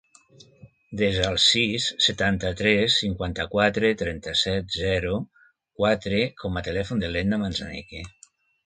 Desa el sis, setanta-tres, cinquanta-quatre, trenta-set, zero, quatre com a telèfon de l'Edna Manzaneque.